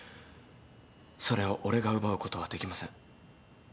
それを俺が奪うことはできません。